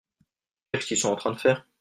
Qu’est-ce qu’ils sont en train de faire ?